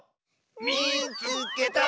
「みいつけた！」。